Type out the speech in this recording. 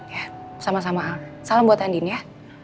ya sama sama al salam buat andien ya